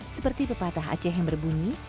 seperti pepatah aceh yang berbunyi